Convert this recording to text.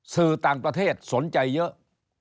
สื่อต่างประเทศสนใจเยอะ